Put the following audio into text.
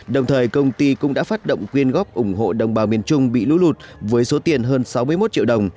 đồng thời công ty cũng đã phát động quyên góp ủng hộ đồng bào miền trung bị lũ lụt với số tiền hơn sáu mươi một triệu đồng